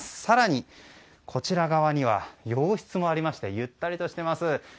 更にこちら側には洋室もありましてゆったりとしてます。